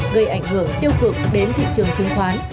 gây ảnh hưởng tiêu cực đến thị trường chứng khoán